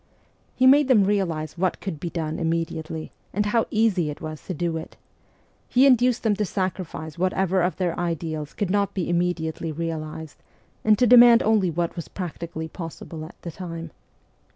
He made them realize what could be done immediately, and how easy it was to do it ; he induced them to sacrifice whatever of their ideals could not be immediately realized, and to demand only what was practically possible at the time.